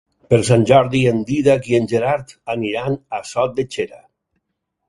Per Sant Jordi en Dídac i en Gerard aniran a Sot de Xera.